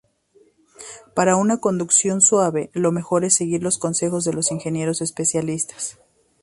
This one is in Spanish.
Para una conducción suave lo mejor es seguir los consejos de los ingenieros especialistas.